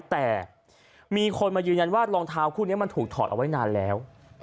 แต่มีคนมายืนยันว่ารองเท้าคู่นี้มันถูกถอดเอาไว้นานแล้ว